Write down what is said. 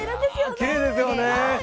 きれいですよね。